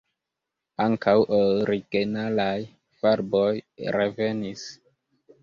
Ankaŭ originalaj farboj revenis.